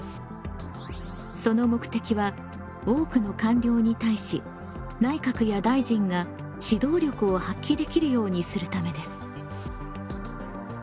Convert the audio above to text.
その目的は多くの官僚に対し内閣や大臣が指導力を発揮できるようにするためです。